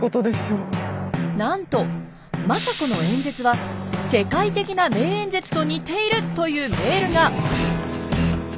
なんと政子の演説は世界的な名演説と似ているというメールが！